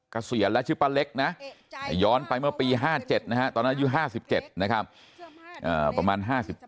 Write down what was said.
เกษียรและชื่อป้าเล็กย้อนไปเมื่อปี๕๗ตอนอายุ๕๗ประมาณ๕๗๕๘